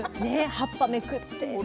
ね葉っぱめくって。